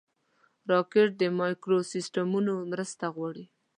راکټ د مایکروسیسټمونو مرسته غواړي